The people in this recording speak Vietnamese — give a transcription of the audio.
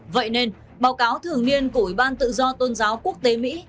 vậy nên báo cáo thường niên của ủy ban tự do tôn giáo quốc tế mỹ